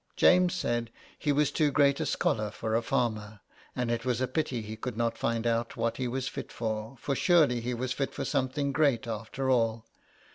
James said he was too great a scholar for a farmer, and it was a pity he could not find out what he was fit for — for surely he was fit for something great after all.